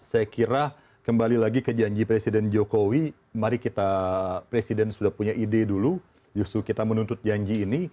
saya kira kembali lagi ke janji presiden jokowi mari kita presiden sudah punya ide dulu justru kita menuntut janji ini